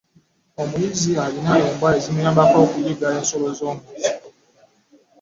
Omuyizzi alina embwa ezimuyambako okuyigga ensolo zomunsiko.